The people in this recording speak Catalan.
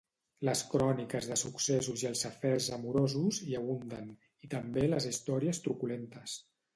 Les cròniques de successos i els afers amorosos hi abunden, i també les històries truculentes.